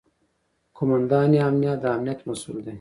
قوماندان امنیه د امنیت مسوول دی